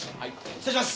失礼します。